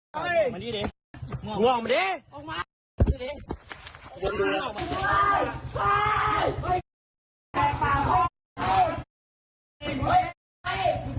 หัวดูลาย